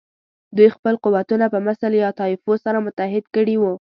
دوی خپل قوتونه په مثل یا طایفو سره متحد کړي وو.